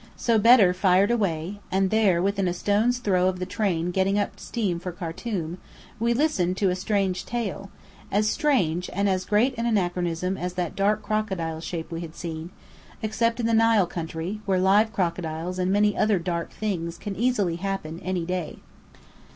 So Bedr "fired away": and there, within a stone's throw of the train getting up steam for Khartum, we listened to a strange tale as strange, and as great an anachronism as that dark crocodile shape we had seen except in the Nile country, where live crocodiles and many other dark things can easily happen any day.